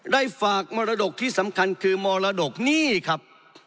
ได้ฝากมรดกที่สำคัญคือมรดกนี่ครับ